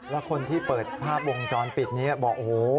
แล้วคนที่เปิดภาพวงจรปิดนี้บอกโอ้โห